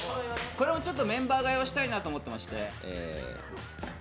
これもちょっとメンバー替えをしたいなと思ってまして。